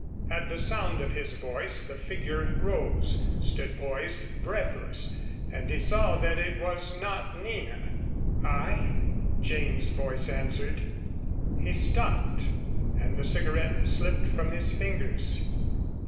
At the sound of his voice, the figure rose, stood poised breathless, and he saw that it was not Nina. "I?" Jane's voice answered. He stopped and the cigarette slipped from his fingers.